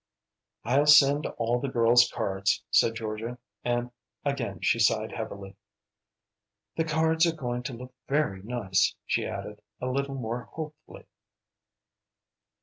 "I'll send all the girls cards," said Georgia, and again she sighed heavily. "The cards are going to look very nice," she added, a little more hopefully.